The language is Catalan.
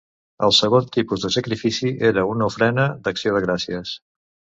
El segon tipus de sacrifici era una ofrena d'acció de gràcies.